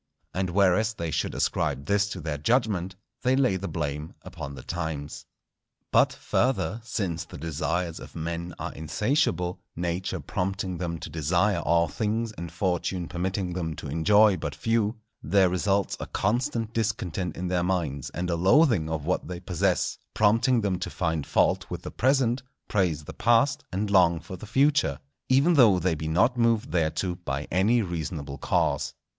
And whereas they should ascribe this to their judgment, they lay the blame upon the times. But, further, since the desires of men are insatiable, Nature prompting them to desire all things and Fortune permitting them to enjoy but few, there results a constant discontent in their minds, and a loathing of what they possess, prompting them to find fault with the present, praise the past, and long for the future, even though they be not moved thereto by any reasonable cause.